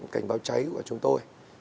cảnh báo cháy của chúng tôi